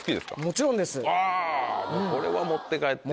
これは持って帰って。